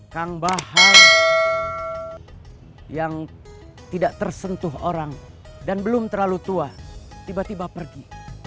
kang bahar yang tidak tersentuh orang dan belum terlalu tua tiba tiba pergi